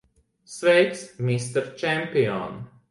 Sveiks, mister čempion!